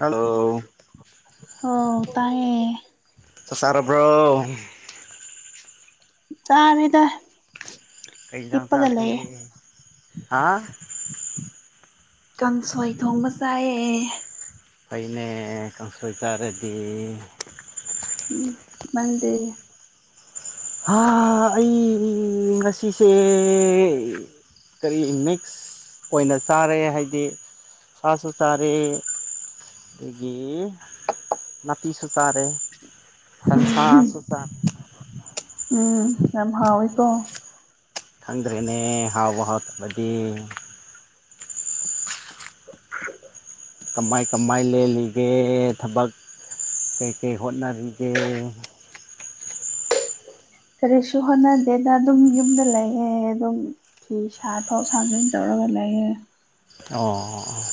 hello ꯑꯣ ꯇꯥꯏꯌꯦ ꯁꯔꯕ꯭ꯔꯣ ꯆꯃꯤꯗ ꯑꯦꯖꯝꯁꯒꯤ ꯍꯥ ꯀꯥꯡꯁꯣꯏ ꯊꯣꯡꯕ ꯆꯥꯏꯑ ꯐꯩꯅꯦ ꯀꯪꯁꯣꯏꯇꯥꯔꯗꯤ ꯎꯝ ꯃꯦ ꯑꯩ ꯉꯁꯤꯁꯦ ꯀꯔꯤ ꯃꯤꯛꯁ ꯑꯣꯏꯅ ꯆꯥꯔꯦ ꯍꯥꯏꯗꯤ ꯁꯥꯁꯨ ꯆꯥꯔꯛꯑꯦ ꯑꯩꯒꯤ ꯍꯄꯤ ꯁꯨꯁꯥꯦ ꯈꯟꯁꯥ ꯁꯨꯁꯔꯦ ꯎꯝ ꯌꯥꯝ ꯍꯥꯎꯋꯦꯀꯣ ꯊꯪꯗ꯭ꯔꯦꯅꯦ ꯍꯥꯎꯕ ꯍꯥꯎꯇꯕꯗꯤ ꯀꯃꯥꯏ ꯀꯃꯥꯏ ꯂꯜꯂꯤꯒꯦ ꯊꯕꯛ ꯀꯩꯀꯩ ꯍꯣꯠꯅꯔꯤꯒꯦ ꯀꯔꯤꯁꯨ ꯍꯣꯠꯅꯗꯦꯗ ꯑꯗꯨꯝ ꯌꯨꯝꯗ ꯂꯩꯌꯦ ꯑꯗꯨꯝ ꯐꯤ ꯁꯥꯊꯣꯛ ꯁꯥꯖꯣꯏꯟ ꯇꯧꯔꯒ ꯂꯩꯌꯦ ꯑꯣ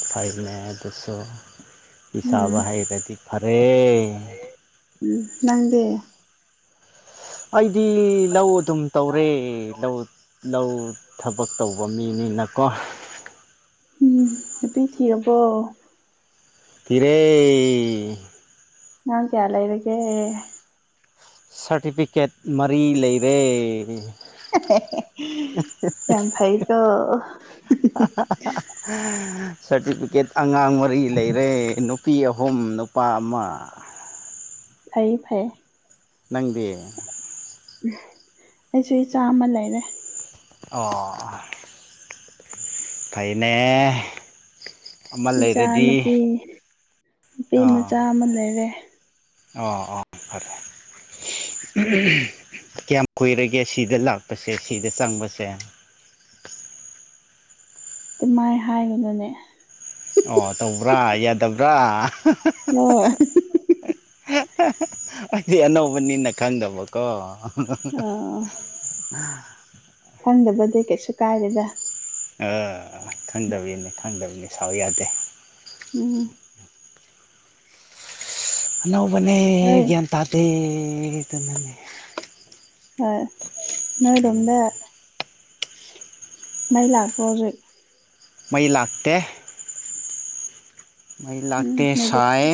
ꯐꯥꯏꯚ ꯃ ꯨ ꯁꯣ ꯐ ꯎꯝ ꯁꯥꯥꯕ ꯍꯩꯔꯗꯤ ꯐꯔꯦ ꯎꯝ ꯅꯪꯗꯦ ꯑꯩꯗꯤ ꯂꯧ ꯑꯗꯨꯝ ꯇꯧꯔꯦ ꯂꯧ ꯂꯧ ꯊꯕꯛ ꯇꯧꯕ ꯃꯤꯅꯤꯅꯀꯣ ꯎꯝ ꯅꯨꯄꯤ ꯊꯤꯔꯕꯣ ꯊꯤꯔꯦ ꯅꯪ ꯀꯌꯥ ꯂꯩꯔꯒꯦ ꯁꯥꯔꯇꯤꯐꯤꯀꯦꯠ ꯃꯔꯤ ꯂꯩꯔꯦ ꯌꯥꯝ ꯐꯩꯀꯣ ꯁꯥꯔꯇꯤꯐꯤꯀꯦꯠ ꯑꯉꯥꯡ ꯃꯔꯤ ꯂꯩꯔꯦ ꯅꯨ ꯅꯨꯄꯤ ꯑꯍꯨꯝ ꯅꯨꯄꯥ ꯑꯃ ꯐꯩ ꯐꯩꯌꯦ ꯅꯪꯗꯤ ꯎꯝ ꯑꯩꯁꯨ ꯏꯆꯥ ꯑꯃ ꯂꯩꯔꯦ ꯑꯣ ꯐꯩꯅꯦ ꯑꯃ ꯏꯆꯥ ꯂꯩꯔꯗꯤ ꯅꯨꯨꯄꯤ ꯅꯨꯄꯤ ꯑꯣ ꯃꯆꯥ ꯑꯃ ꯂꯩꯔꯦ ꯑꯣ ꯑꯣ ꯐꯔꯦ ꯀꯌꯥꯝ ꯀꯨꯏꯔꯒꯦ ꯁꯤꯗ ꯂꯥꯛꯄꯁꯦ ꯁꯤꯗ ꯆꯪꯕꯁꯦ ꯑꯗꯨꯃꯥꯏ ꯍꯥꯏꯒꯅꯨꯅꯦ ꯑꯣ ꯇꯧꯕ꯭ꯔꯥ ꯌꯥꯗꯕ꯭ꯔꯥ ꯍꯣꯏ ꯑꯩꯗꯤ ꯑꯅꯧꯕꯅꯤꯅ ꯈꯪꯗꯕꯀꯣ ꯑ [unintelligible] ꯈꯪꯗꯕꯗꯤ ꯀꯩꯁꯨ ꯀꯥꯏꯗꯦꯗ ꯈꯪꯗꯕꯅꯤ ꯈꯪꯗꯕꯅꯤ ꯁꯥꯎ ꯌꯥꯗꯦ ꯎꯝ ꯑꯅꯧꯕꯅꯦ ꯍꯣꯏ ꯒ꯭ꯌꯥꯟ ꯇꯥꯗꯦꯗꯨꯅꯅꯦ ꯍꯣꯏ ꯅꯣꯏꯔꯣꯝꯗ ꯃꯩ ꯂꯥꯛꯄ꯭ꯔꯣ ꯍꯧꯖꯤꯛ ꯃꯩ ꯂꯥꯛꯇꯦ ꯃꯩ ꯎꯝ ꯂꯥꯛꯇꯦ ꯅꯦꯠꯋꯥꯛ ꯁꯥꯏ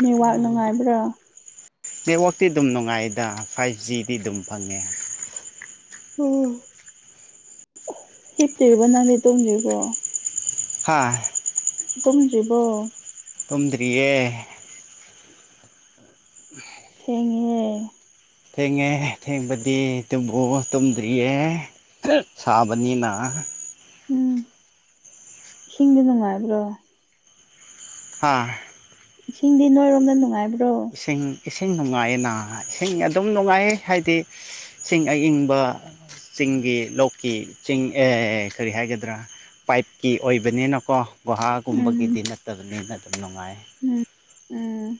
ꯅꯦꯠꯋꯥꯛ ꯅꯨꯡꯉꯥꯏꯕ꯭ꯔꯥ ꯅꯦꯠꯋꯥꯛꯇꯤ ꯑꯗꯨꯝ ꯅꯨꯡꯉꯥꯏꯗ ꯐꯥꯏꯚ ꯖꯤꯗꯤ ꯑꯗꯨꯝ ꯐꯪꯉꯦ ꯑꯣ ꯍꯤꯞꯇꯔꯤꯕꫭ ꯅꯪꯗꯤ ꯇꯨꯝꯗ꯭ꯔꯤꯕꯣ ꯍꯥꯥ ꯇꯨꯝꯗ꯭ꯔꯤꯕꯣ ꯇꯨꯝꯗ꯭ꯔꯤꯌꯦ [unintelligible] ꯊꯦꯡꯉꯦꯍꯦ ꯊꯦꯡꯉꯦ ꯊꯦꯡꯕꯗꯤ ꯇꯨꯝꯕꯨ ꯇꯨꯝꯗ꯭ꯔꯤꯌꯦ ꯁꯥꯕꯅꯤꯅ ꯎꯝ ꯏꯁꯤꯡꯗꯤ ꯅꯨꯡꯉꯥꯏꯕ꯭ꯔꯣ ꯍꯥꯥ ꯏꯁꯤꯡꯗꯤ ꯅꯣꯏꯔꯣꯝꯗ ꯅꯨꯡꯉꯥꯏꯕ꯭ꯔꯣ ꯏꯁꯤꯡ ꯏꯁꯤꯡ ꯅꯨꯡꯉꯥꯏꯌꯦꯅ ꯏꯁꯤꯡ ꯑꯗꯨꯝ ꯅꯨꯡꯉꯥꯏꯌꯦ ꯍꯥꯏꯗꯤ ꯏꯁꯤꯡ ꯑꯌꯪꯕ ꯆꯤꯡꯒꯤ ꯂꯣꯛꯀꯤ ꯆꯤꯡ ꯑꯦ ꯀꯔꯤ ꯍꯥꯏꯒꯗ꯭ꯔꯥ ꯄꯥꯏꯞꯀꯤ ꯑꯣꯏꯕꯅꯤꯅꯀꯣ ꯎꯝ ꯒꯨꯍꯥꯒꯨꯝꯕꯒꯤꯗꯤ ꯅꯠꯇꯕꯅꯤꯅ ꯑꯗꯨꯝ ꯅꯨꯡꯉꯥꯏ ꯎꯝ ꯎꯝ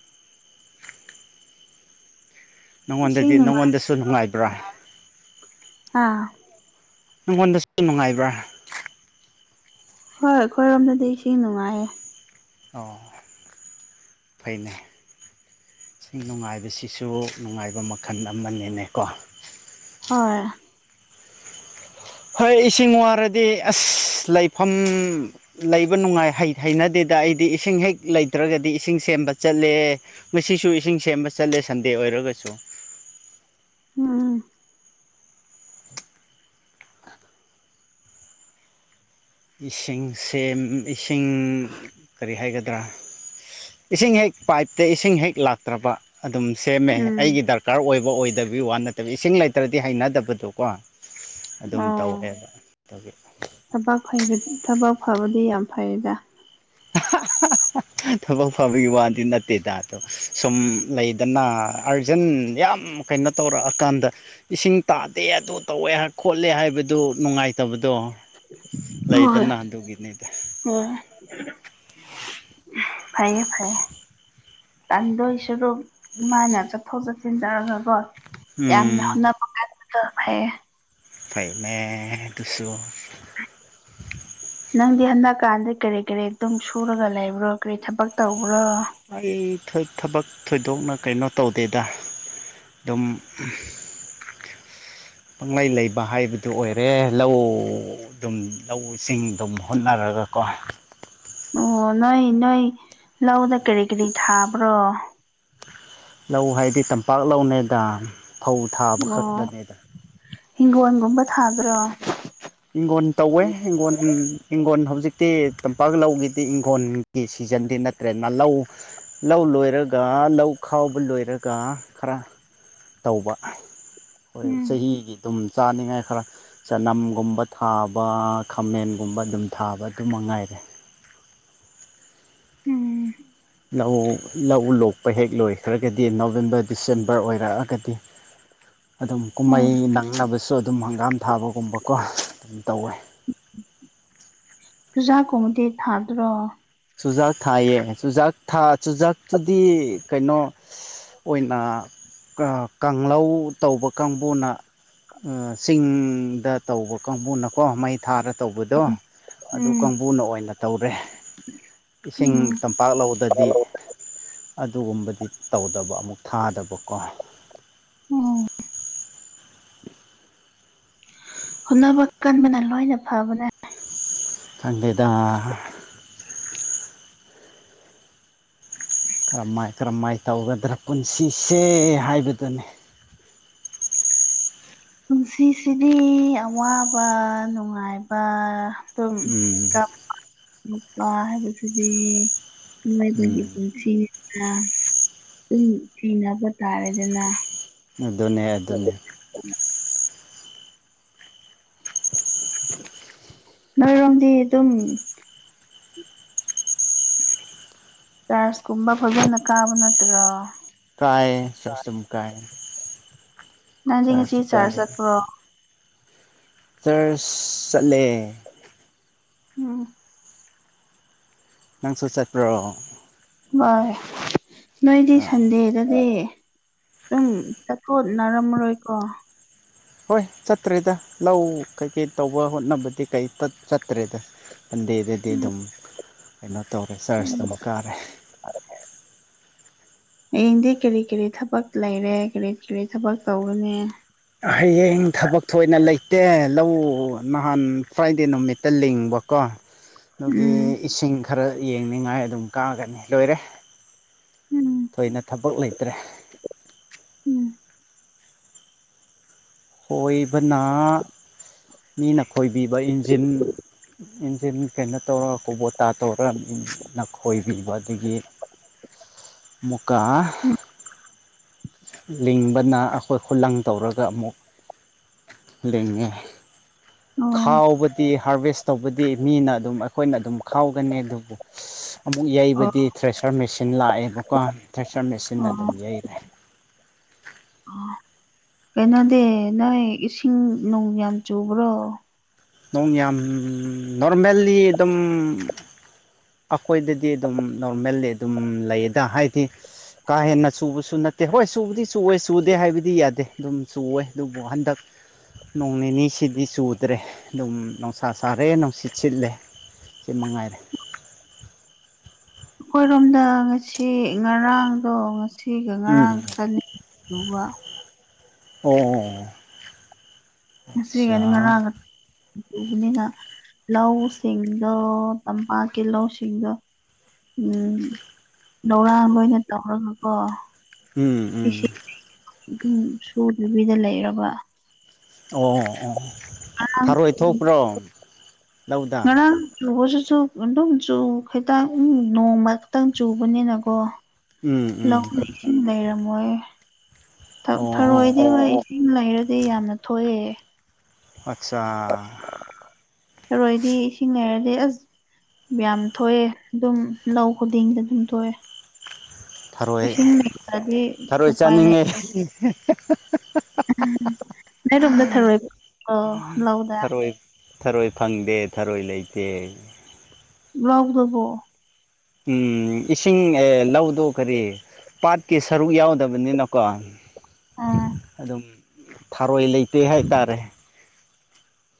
ꯅꯉꯣꯟꯗ ꯏꯁꯤꯡ ꯅꯨꯡꯉꯥꯏ ꯅꯪꯉꯣꯟꯗꯁꯨ ꯅꯨꯡꯉꯥꯏꯕ꯭ꯔꯥ ꯑꯥ ꯅꯉꯣꯟꯗꯁꯨ ꯅꯨꯡꯉꯥꯏꯕ꯭ꯔꯥ ꯍꯣꯏ ꯑꯩꯈꯣꯏꯔꯣꯝꯗꯗꯤ ꯏꯁꯤꯡ ꯅꯨꯡꯉꯥꯏꯌꯦ ꯑꯣ ꯐꯩꯅꯦ ꯏꯁꯤꯡ ꯅꯨꯡꯉꯥꯏꯕꯁꯤꯁꯨ ꯅꯨꯡꯉꯥꯏꯕ ꯃꯈꯜ ꯑꯃꯅꯤꯅꯦꯀꯣ ꯍꯣꯏ ꯍꯣꯏ ꯏꯁꯤꯡ ꯋꯥꯔꯗꯤ ꯑꯁ ꯂꯩꯐꯝ ꯂꯩꯕ ꯅꯨꯡꯉꯥꯏ ꯍꯩꯅꯗꯦꯗ ꯑꯩꯗꯤ ꯏꯁꯤꯡ ꯍꯦꯛ ꯂꯩꯇ꯭ꯔꯒꯗꯤ ꯏꯁꯤꯡ ꯁꯦꯝꯕ ꯆꯠꯂꯦ ꯉꯁꯤꯁꯨ ꯏꯁꯤꯡ ꯁꯦꯝꯕ ꯆꯠꯂꯦ ꯁꯟꯗꯦ ꯑꯣꯏꯔꯒꯁꯨ ꯎꯝ ꯏꯁꯤꯡ ꯁꯦꯝ ꯏꯁꯤꯡ ꯀꯔꯤ ꯍꯥꯏꯒꯗ꯭ꯔꯥ ꯏꯁꯤꯡ ꯍꯦꯛ ꯄꯥꯏꯞꯇ ꯏꯁꯤꯡ ꯍꯦꯛ ꯂꯥꯛꯇ꯭ꯔꯕ ꯑꯗꯨꯝ ꯁꯦꯝꯃꯦ ꯎꯝ ꯑꯩꯒꯤ ꯗꯔꯀꯥꯔ ꯑꯣꯏꯕ ꯑꯣꯏꯗꯕꯤ ꯋꯥ ꯅꯠꯇꯕꯤ ꯏꯁꯤꯡ ꯂꯩꯇ꯭ꯔꯗꯤ ꯍꯩꯅꯗꯕꯗꯣ ꯀꯣ ꯑꯗꯨꯝ ꯇꯧꯋꯦꯕ ꯑꯗꯨꯒꯤ ꯊꯕ ꯊꯕꯛ ꯐꯕꯗꯤ ꯌꯥꯝ ꯐꯩꯔꯗ [unintelligible] ꯊꯕꯛ ꯐꯕꯒꯤ ꯋꯥꯗꯤ ꯅꯠꯇꯦꯗ ꯑꯗꯣ ꯁꯨꯝ ꯂꯩꯗꯅ ꯑꯥꯔꯖꯦꯟ ꯌꯥꯝ ꯀꯩꯅꯣ ꯇꯧꯔꯛꯑꯀꯥꯟꯗ ꯏꯁꯤꯡ ꯇꯥꯗꯦ ꯑꯗꯨ ꯇꯧꯋꯦ ꯈꯣꯠꯂꯦ ꯍꯥꯏꯕꯗꯨ ꯅꯨꯡꯉꯥꯏꯇꯕꯗꯣ ꯂꯩꯗ ꯅꯍꯥꯟꯗꯨꯒꯤꯅꯤꯗ ꯍ ꯐꯩꯌꯦ ꯐꯩꯌꯦ ꯇꯥꯟꯗꯣꯏ ꯁꯔꯨ ꯃꯥꯅ ꯆꯠꯊꯣꯛ ꯆꯠꯁꯤꯟ ꯇꯧꯔꯒꯀꯣ ꯌꯥꯝꯅ ꯎꯝ ꯍꯣꯠꯅꯕ ꯀꯥꯟꯗ ꯐꯌꯦ ꯐꯥꯏꯃꯦ ꯇꯨ ꯁꯨ ꯅꯪꯗꯤ ꯍꯟꯗꯛꯀꯥꯟꯗ ꯀꯔꯤ ꯀꯔꯤ ꯑꯗꯨꯝ ꯁꯨꯔꯒ ꯂꯩꯕ꯭ꯔꯣ ꯀꯔꯤ ꯊꯕꯛ ꯇꯧꯕ꯭ꯔꯣ ꯑꯩ ꯊꯕꯛ ꯊꯣꯏꯗꯣꯛꯅ ꯀꯩꯅꯣ ꯇꯧꯗꯦꯗ ꯗꯝ ꯄꯪꯂꯪꯂꯩ ꯂꯩꯕ ꯍꯥꯏꯕꯗꯨ ꯑꯣꯏꯔꯦ ꯂꯧ ꯑꯗꯨꯝ ꯂꯧꯁꯤꯡ ꯑꯗꯨꯝ ꯍꯣꯠꯅꯔꯒꯀꯣ ꯑꯣ ꯅꯣꯏ ꯅꯣꯏ ꯂꯧꯗ ꯀꯔꯤ ꯀꯔꯤ ꯊꯥꯕ꯭ꯔꯣ ꯂꯧ ꯍꯥꯏꯗꯤ ꯇꯝꯄꯥꯛ ꯂꯧꯅꯦꯗꯥ ꯑꯣ ꯍꯤꯡꯒꯣꯣꯟꯒꯨꯝꯕ ꯊꯥꯕ꯭ꯔꯣ ꯍꯤꯡꯈꯣꯟ ꯇꯧꯋꯦ ꯍꯤꯡꯈꯣꯟ ꯏꯤꯡꯈꯣꯟ ꯍꯧꯖꯤꯛꯇꯤ ꯇꯝꯄꯥꯛ ꯂꯧꯈꯤꯗꯤ ꯏꯤꯡꯈꯣꯟ ꯁꯤꯖꯟꯗꯤ ꯅꯠꯇ꯭ꯔꯦ ꯅꯥꯂꯧ ꯂꯧ ꯂꯣꯏꯔꯒ ꯂꯧ ꯈꯥꯎꯕ ꯂꯣꯏꯔꯒ ꯈꯔ ꯇꯧꯕ ꯍꯣꯏ ꯎꯝ ꯆꯍꯤꯒꯤ ꯑꯗꯨꯝ ꯆꯥꯅꯤꯡꯉꯥꯏ ꯈꯔ ꯆꯅꯝꯒꯨꯝ ꯄꯊꯥꯕ ꯈꯥꯃꯦꯟꯒꯨꯝꯕ ꯑꯗꯨꯝ ꯊꯥꯕ ꯑꯗꯨ ꯃꯉꯥꯏꯔꯦ ꯎꯝ ꯂꯧ ꯂꯧ ꯂꯣꯛꯄ ꯍꯦꯛ ꯂꯣꯏꯈ꯭ꯔꯒꯗꯤ ꯅꯣꯕꯦꯝꯕꯔ ꯗꯤꯁꯦꯝꯕꯔ ꯑꯣꯏꯔꯛꯑꯒꯗꯤ ꯑꯗꯨꯝ ꯎꯝ ꯀꯨꯝꯍꯩ ꯅꯪꯅꯕꯁꯨ ꯑꯗꯨꯝ ꯍꯪꯒꯥꯝ ꯊꯥꯕꯒꯨꯝꯕꯀꯣ ꯑꯗꯨꯝ ꯇꯧꯋꯦ ꯆꯨꯖꯥꯀꯨꯝꯕꯗꯤ ꯊꯥꯗ꯭ꯔꯣ ꯆꯨꯖꯥꯛ ꯊꯥꯏꯌꯦ ꯆꯨꯖꯥꯛ ꯊꯥ ꯆꯨꯖꯥꯛꯇꯨꯗꯤ ꯀꯩꯅꯣ ꯑꯣꯏꯅ ꯀꯥꯡꯧ ꯇꯧꯕ ꯀꯥꯡꯕꯨꯅ ꯆꯤꯡꯗ ꯇꯧꯕ ꯀꯥꯡꯕꯨꯅꯀꯣ ꯃꯩ ꯊꯥꯔ ꯇꯧꯕꯗꯣ ꯑꯗꯨ ꯎꯝ ꯀꯥꯡꯕꯨꯅ ꯑꯣꯏꯅ ꯇꯧꯔꯦ ꯏꯁꯤꯡ ꯎꯝ ꯇꯝꯄꯥꯛ ꯂꯧꯕꯗꯗꯤ ꯑꯗꯨꯒꯨꯝꯕꯗꯤ ꯇꯧꯗꯕ ꯑꯃꯨꯛ ꯊꯥꯗꯕꯀꯣ ꯑꯣ ꯍꯣꯠꯅꯕ ꯀꯟꯕꯅ ꯂꯣꯏꯅ ꯐꯕꯅ ꯀꯥꯟꯗꯦꯗꯥ ꯀꯔꯝꯍꯥꯏ ꯀꯔꯝꯍꯥꯏꯅ ꯇꯧꯒꯗ꯭ꯔꯥ ꯄꯨꯟꯁꯤꯁꯦ ꯍꯥꯏꯕꯗꯨꯅꯤ ꯄꯨꯟꯁꯤꯁꯤꯗꯤ ꯑꯋꯥꯕ ꯅꯨꯡꯉꯥꯏꯕ ꯑꯗꯨꯝ ꯎꯝ ꯃꯄꯥ ꯍꯥꯏꯕꯁꯤꯗꯤ ꯃꯣꯏꯗꯒꯤ ꯎꯝ ꯄꯨꯟꯁꯤꯅ ꯑꯗꯨꯨꯝ ꯊꯤꯅꯕ ꯇꯥꯔꯦꯗꯅ ꯑꯗꯨꯅꯦ ꯑꯗꯨ ꯑꯗꯨꯅꯦ ꯎꯝ ꯅꯣꯏꯔꯣꯝꯗꯤ ꯑꯗꯨꯝ ꯆꯥꯔꯖ ꯀꯨꯝꯕ ꯐꯖꯅ ꯀꯥꯕ ꯅꯠꯇ꯭ꯔꯥ ꯀꯥꯏ ꯁꯔꯝ ꯀꯥꯏ ꯅꯪꯗꯤ ꯉꯁꯤ ꯆꯔꯆ ꯀꯥꯏ ꯆꯥꯔꯖ ꯆꯠꯈ꯭ꯔꯣ ꯆꯔꯁ ꯆꯠꯂꯦ ꯎꯝ ꯅꯪꯁꯨ ꯆꯠꯄ꯭ꯔꯣ ꯃꯣꯏ ꯅꯣꯏꯗꯤ ꯑ ꯁꯟꯗꯦꯗꯅꯦ ꯑꯗꯨꯝ ꯆꯠꯊꯣꯠꯅꯔꯝꯃꯔꯣꯏꯀꯣ ꯍꯣꯏ ꯆꯠꯇ꯭ꯔꯦꯗ ꯂꯧ ꯀꯩꯀꯩ ꯇꯧꯕ ꯍꯣꯠꯅꯕꯗꯤ ꯀꯩ ꯆꯠꯇ꯭ꯔꯦꯗ ꯁꯟꯗꯦꯗꯗꯤ ꯎꯝ ꯑꯗꯨꯝ ꯀꯩꯅꯣ ꯇꯧꯔꯦ ꯆꯔꯆ ꯑꯗꯨꯝ ꯀꯥꯔꯦ ꯍꯌꯦꯡꯗꯤ ꯀꯔꯤ ꯀꯔꯤ ꯊꯕꯛ ꯂꯩꯔꯦ ꯀꯔꯤ ꯀꯔꯤ ꯊꯕꯛ ꯇꯧꯒꯅꯤ ꯍꯌꯦꯡ ꯊꯕꯛ ꯊꯣꯏꯅ ꯂꯩꯇꯦ ꯂꯧꯎ ꯅꯍꯥꯟ ꯐ꯭ꯔꯥꯏꯗꯦ ꯅꯨꯃꯤꯠꯇ ꯂꯤꯡꯕ ꯀꯣ ꯑꯗꯨꯒꯤ ꯎꯝ ꯏꯁꯤꯡ ꯈꯔ ꯌꯦꯡꯅꯤꯉꯥꯏ ꯑꯗꯨꯝ ꯀꯥꯒꯅꯤ ꯂꯣꯏꯔꯦ ꯎꯝ ꯊꯣꯏꯅ ꯊꯕꯛ ꯂꯩꯇ꯭ꯔꯦ ꯎꯝ ꯈꯣꯏꯕꯅ ꯃꯤꯅ ꯈꯣꯏꯕꯤꯕ ꯏꯟꯖꯤꯟ ꯏꯟꯖꯤꯟ ꯀꯩꯅꯣ ꯇꯧꯔꯒ ꯀꯧꯕꯣꯇꯥ ꯇꯧꯔꯒ ꯅꯈꯣꯏꯕꯤꯕ ꯑꯗꯒꯤ ꯃꯨꯛꯀꯥ ꯎꯝ ꯂꯤꯡꯕꯅ ꯑꯈꯣꯏ ꯈꯨꯂꯪ ꯇꯧꯔꯒ ꯑꯃꯨꯛ ꯂꯤꯡꯉꯦ ꯑꯣ ꯈꯥꯎꯕꯗꯤ ꯍꯥꯔꯚꯦꯁ ꯇꯧꯕꯗꯤ ꯃꯤꯅ ꯑꯗꯨꯝ ꯑꯩꯈꯣꯏꯅ ꯑꯗꯨꯝ ꯈꯥꯎꯒꯅꯤ ꯑꯗꯨꯕꯨ ꯑꯃꯨꯛ ꯑꯣ ꯌꯩꯕꯗꯤ ꯊ꯭ꯔꯦꯁꯔ ꯃꯦꯆꯤꯟ ꯂꯥꯛꯑꯦꯕꯀꯣ ꯊ꯭ꯔꯦꯁꯔ ꯃꯦꯆꯤꯟꯅ ꯑꯗꯨꯝ ꯌꯩꯔꯦ ꯑꯣ ꯀꯩꯅꯣꯗꯤ ꯅꯣꯏ ꯏꯁꯤꯡ ꯅꯨꯡ ꯌꯥꯝ ꯆꯨꯕ꯭ꯔꯣ ꯅꯣꯡ ꯌꯥꯝ ꯅꯣꯔꯃꯦꯜꯂꯤ ꯑꯗꯨꯝ ꯑꯈꯣꯏꯗꯗꯤ ꯑꯗꯨꯝ ꯅꯣꯔꯃꯦꯜꯂꯤ ꯑꯗꯨꯝ ꯂꯩꯌꯦꯗ ꯍꯥꯏꯗꯤ ꯀꯥ ꯍꯦꯟꯅ ꯆꯨꯕꯁꯨ ꯅꯠꯇꯦ ꯍꯣꯏ ꯆꯨꯕꯗꯤ ꯆꯨꯋꯦ ꯆꯨꯗꯦ ꯍꯥꯏꯕꯗꯤ ꯌꯥꯗꯦ ꯑꯗꯨꯝ ꯆꯨꯋꯦ ꯑꯗꯨꯕꯨ ꯍꯟꯗꯛ ꯅꯣꯡ ꯅꯤꯅꯤ ꯁꯤꯗꯤ ꯆꯨꯗ꯭ꯔꯦ ꯑꯗꯨꯝ ꯅꯨꯡꯁꯥ ꯁꯥꯔꯦ ꯅꯨꯡꯁꯤꯠ ꯁꯤꯠꯂꯦ ꯁꯤ ꯃꯉꯥꯏꯔꯦ ꯑꯩꯈꯣꯏꯔꯣꯝꯗ ꯉꯁꯤ ꯉꯔꯥꯡꯗꯣ ꯉꯁꯤ ꯁꯤꯒ ꯎꯝ ꯉꯔꯥꯡꯈꯛꯇꯅꯤ ꯆꯨꯕ ꯑꯣ ꯑꯣ ꯉꯁꯤꯒꯅꯤ ꯑꯠꯆꯥ ꯉꯔꯥꯡꯒ ꯆꯨꯕꯅꯤꯅ ꯂꯧꯁꯤꯡꯗꯣ ꯇꯝꯄꯥꯛꯀꯤ ꯂꯧꯁꯤꯡꯒ ꯎꯝ ꯂꯧꯔꯥꯡ ꯑꯣꯏꯅ ꯇꯧꯔꯒꯀꯣ ꯎꯝ ꯎꯝ ꯏꯁꯤꯡ [unintelligible] ꯁꯨꯗꯕꯤꯗ ꯂꯩꯔꯕ ꯑꯣ ꯑꯣ ꯑꯣ ꯉꯔꯥꯡ ꯊꯥꯔꯣꯏ ꯆꯨꯕ- ꯊꯣꯛꯄ꯭ꯔꯣ ꯂꯧꯗ ꯆꯨꯕꯁꯨꯁꯨ ꯑꯗꯨꯝ ꯆꯨ ꯈꯤꯇꯪ ꯅꯣꯡꯃ ꯈꯛꯇꯪ ꯆꯨꯕꯅꯤꯅꯀꯣ ꯎꯝ ꯎꯝ ꯂꯧꯗ ꯏꯁꯤꯡꯁꯤꯡ ꯂꯩꯔꯝꯃꯣꯏꯌꯦ ꯑꯣ ꯑꯣ ꯊꯔꯣꯏꯗꯤ ꯑꯣ ꯍꯣꯏ ꯏꯁꯤꯡ ꯂꯩꯔꯗꯤ ꯌꯥꯝꯅ ꯊꯣꯛꯑꯦ ꯑꯠꯆꯥ ꯊꯔꯣꯏꯗꯤ ꯏꯁꯤꯡ ꯂꯩꯔꯗꯤ ꯑꯁ ꯌꯥꯝ ꯊꯣꯛꯑꯦ ꯑꯗꯨꯝ ꯂꯧ ꯈꯨꯗꯤꯡꯗ ꯑꯗꯨꯝ ꯊꯣꯛꯑꯦ ꯊꯔꯣꯏ ꯏꯁꯤꯡ ꯂꯩꯇ꯭ꯔꯗꯤ ꯊꯔꯣꯏ ꯎꯄꯥꯏ ꯆꯥꯅꯤꯡꯉꯦ ꯂꯩꯇꯦ [unintelligible] ꯅꯣꯏꯔꯣꯝꯗ ꯊꯔꯣꯏ [unintelligible] ꯂꯧꯗ ꯊꯔꯣꯏ ꯊꯔꯣꯏ ꯐꯪꯗꯦ ꯊꯔꯣꯏ ꯂꯩꯇꯦ ꯂꯧꯗꯕꯣ ꯎꯝ ꯏꯁꯤꯡ ꯑꯦ ꯂꯧꯗꯣ ꯀꯔꯤ ꯄꯥꯠꯀꯤ ꯁꯔꯨꯛ ꯌꯥꯎꯗꯕꯅꯤꯅꯀꯣ ꯑꯥ ꯑꯗꯨꯝ ꯊꯥꯔꯣꯏ ꯂꯩꯇꯦ ꯍꯥꯏꯇꯥꯔꯦ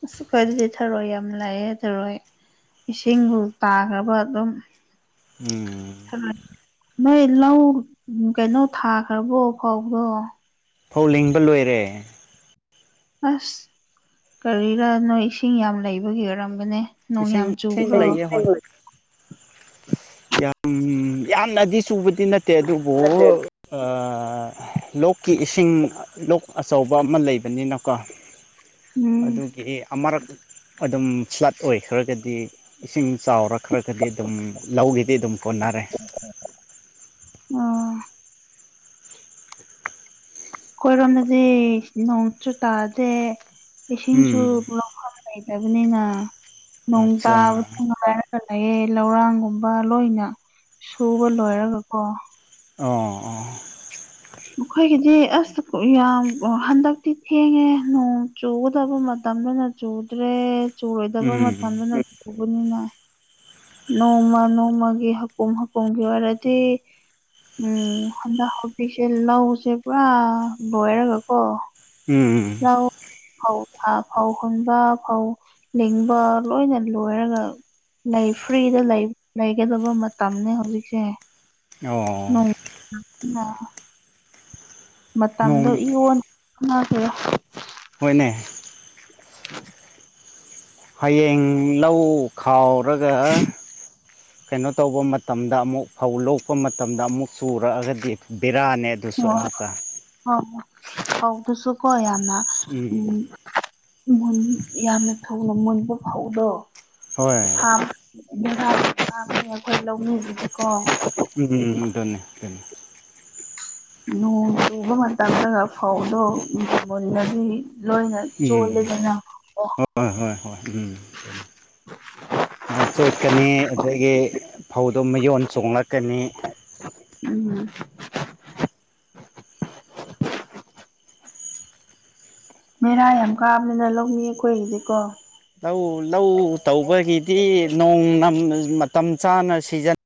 ꯑꯁ ꯑꯩꯈꯣꯏꯗꯗꯤ ꯊꯔꯣꯏ ꯌꯥꯝ ꯂꯥꯛꯑꯦ ꯊꯔꯣꯏ ꯏꯁꯤꯡꯕꯨ ꯇꯥꯈ꯭ꯔꯕ ꯑꯗꯨꯝ ꯎꯝ ꯊꯔꯣꯏ ꯅꯣꯏ ꯂꯧ ꯀꯩꯅꯣ ꯊꯥꯈ꯭ꯔꯕꯣ ꯐꯧꯕꯣ ꯐꯧ ꯂꯤꯡꯕ ꯂꯣꯏꯔꯦ ꯑꯁ ꯀꯔꯤꯔ ꯅꯣꯏ ꯏꯁꯤꯡ ꯌꯥꯝ ꯂꯩꯕꯒꯤ ꯑꯣꯏꯔꯒꯅꯦ ꯅꯣꯡ ꯌꯥꯝꯝ ꯏꯁꯤꯡ ꯆꯨ ꯏꯁꯤꯡ ꯂꯩꯌꯦ ꯍꯣꯏ ꯌꯥꯝ ꯌꯥꯝꯅꯗꯤ ꯆꯨꯕꯗꯤ ꯅꯠꯇꯦ ꯑꯗꯨꯕꯨ ꯂꯣꯛ ꯀꯤ ꯏꯁꯤꯡ ꯂꯣꯛ ꯑꯆꯧꯕ ꯑꯃ ꯂꯩꯕꯅꯤꯅꯀꯣ ꯎꯝ ꯑꯗꯨꯒꯤ ꯑꯃꯔꯛ ꯑꯗꯨꯝ ꯐ꯭ꯂꯠ ꯑꯣꯏꯈ꯭ꯔꯒꯗꯤ ꯏꯁꯤꯡ ꯆꯥꯎꯔꯈ꯭ꯔꯒꯗꯤ ꯑꯗꯨꯝ ꯂꯧꯒꯤꯗꯤ ꯑꯗꯨꯝ ꯀꯣꯟꯅꯔꯦ ꯎ ꯀꯣꯏꯔꯣꯝꯗꯗꯤ ꯅꯣꯡꯁꯨ ꯇꯥꯗꯦ ꯏꯁꯤꯡꯁꯨ ꯎꯝ ꯂꯧ ꯂꯩꯇꯕꯅꯤꯅ ꯅꯣꯡ ꯑꯠꯆꯥ ꯇꯥꯕ ꯆꯠꯂꯑꯦ ꯂꯧꯔꯥꯡꯒꯨꯝꯕ ꯂꯣꯏꯅ ꯁꯨꯕ ꯂꯣꯏꯔꯒꯀꯣ ꯑꯣ ꯑꯣ ꯃꯈꯣꯏꯒꯤꯗꯤ ꯑꯁ ꯌꯥꯝ ꯍꯟꯗꯛꯇꯤ ꯊꯦꯡꯉꯦ ꯅꯣꯡ ꯆꯨꯒꯗꯕ ꯃꯇꯝꯗꯨꯅ ꯆꯨꯗ꯭ꯔꯦ ꯆꯨꯔꯣꯏꯗꯕ ꯎꯝ ꯃꯇꯝꯗꯨꯅ ꯆꯨꯕꯅꯤꯅ ꯅꯣꯡꯃ ꯅꯣꯡꯃꯒꯤ ꯍꯀꯨꯝ ꯍꯀꯨꯝꯒꯤ ꯑꯣꯏꯔꯗꯤ ꯎꯝ ꯍꯟꯗꯛ ꯍꯕꯤꯛꯁꯦ ꯂꯧꯁꯦ ꯄꯨꯔꯥ ꯂꯣꯏꯔꯒꯀꯣ ꯎꯝ ꯐꯧ ꯐꯧ ꯍꯨꯟꯕ ꯐꯧ ꯂꯤꯡꯕ ꯂꯣꯏꯅ ꯂꯣꯏꯔꯒ ꯂꯩ ꯐ꯭ꯔꯤꯗ ꯂꯩꯒꯗꯕ ꯃꯇꯝꯅꯤꯅꯦ ꯍꯧꯖꯤꯛꯁꯦ ꯑꯣ ꯂ ꯃꯇꯝꯗꯣ ꯅꯣꯡ ꯏꯌꯣꯟꯅꯦ ꯍꯣꯏꯅꯦ ꯅ ꯍꯌꯦꯡ ꯂꯧ ꯈꯥꯎꯔꯒ ꯀꯩꯅꯣ ꯇꯧꯕ ꯃꯇꯝꯗ ꯑꯃꯨꯛ ꯐꯧ ꯂꯣꯛꯄ ꯃꯇꯝꯗ ꯑꯃꯨꯛ ꯆꯨꯔꯛꯑꯒꯗꯤ ꯕꯤꯔꯥꯅꯦ ꯑꯣ ꯍ ꯍ ꯑꯗꯨꯁꯨꯀꯣ ꯌꯥꯝꯅ ꯎꯝ ꯎꯝ ꯨ ꯌꯥꯝꯅ ꯊꯨꯅ ꯃꯨꯟꯕ ꯐꯧꯗꯣ ꯍꯣꯏ ꯃꯦ ꯑꯩꯈꯣꯏ ꯂꯧꯃꯤꯁꯤꯗꯤꯀꯣ ꯎꯝꯝ ꯊꯅꯤꯦ ꯊꯅꯤ ꯅꯣꯡ ꯆꯨꯕ ꯃꯇꯝꯗꯒ ꯐꯧꯗꯣ ꯃꯨꯂꯗꯤ ꯂꯣꯏꯅ ꯎꯝ ꯆꯣꯂꯦꯗꯅ ꯑꯣ ꯍꯣꯏ ꯍꯣꯏ ꯍꯣꯏ ꯎꯝ ꯉꯧ ꯆꯣꯠꯀꯅꯤ ꯑꯗꯨꯗꯒꯤ ꯐꯧꯗꯣ ꯃꯌꯣꯟ ꯆꯣꯡꯂꯛꯀꯅꯤ ꯎꯝ ꯃꯦꯔꯥ ꯌꯥꯝ ꯀꯥꯕꯅꯤꯅ ꯂꯧꯃꯤ ꯑꯩꯈꯣꯏꯒꯤꯗꯤꯀꯣ ꯂꯧ ꯂꯧ ꯇꯧꯕꯒꯤꯗꯤ ꯅꯣꯡ ꯃꯇꯝ ꯆꯥꯅ ꯁꯤꯖꯟꯅ